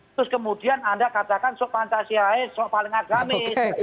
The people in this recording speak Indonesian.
terus kemudian anda katakan soal pancasila itu soal paling agamis